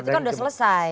itu kan sudah selesai